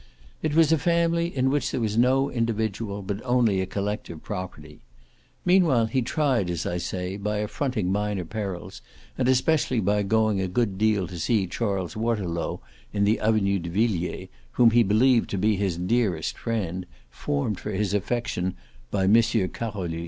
It was a family in which there was no individual but only a collective property. Meanwhile he tried, as I say, by affronting minor perils, and especially by going a good deal to see Charles Waterlow in the Avenue de Villiers, whom he believed to be his dearest friend, formed for his affection by Monsieur Carolus.